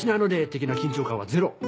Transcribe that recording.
的な緊張感はゼロ。